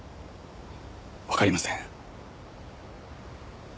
わかりません。